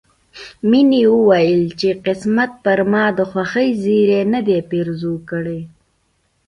مينې وويل چې قسمت پر ما د خوښۍ زيری نه دی پيرزو کړی